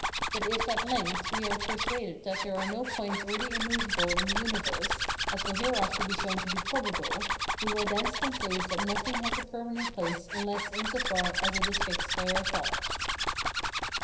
But if at length we are persuaded that there are no points really immovable in the universe, as will hereafter be shown to be probable, we will thence conclude that nothing has a permanent place unless in so far as it is fixed by our thought.